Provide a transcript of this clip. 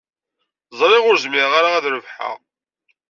Ẓriɣ ur zmireɣ ara ad rebḥeɣ.